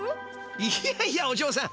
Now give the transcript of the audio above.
いやいやおじょうさん